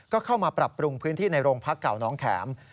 ก็เข้ามาปรับปรุงพื้นที่ในโรงพักเก่าน้องแข็ม